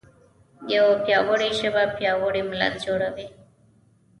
یوه پیاوړې ژبه پیاوړی ملت جوړوي.